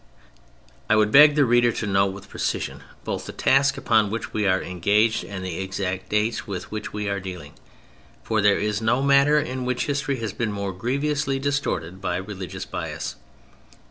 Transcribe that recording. I would beg the reader to note with precision both the task upon which we are engaged and the exact dates with which we are dealing, for there is no matter in which history has been more grievously distorted by religious bias.